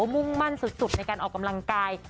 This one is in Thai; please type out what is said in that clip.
มุ่งมั่นสุดในการออกกำลังกาย